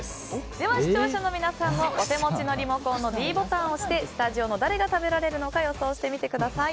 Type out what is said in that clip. では、視聴者の皆さんもお手持ちのリモコンのｄボタンを押してスタジオの誰が食べられるのか予想してみてください。